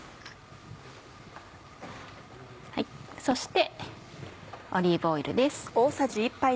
そしてオリーブオイルです。